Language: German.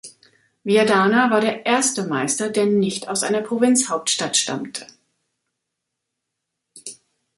Viadana war der erste Meister, der nicht aus einer Provinzhauptstadt stammte.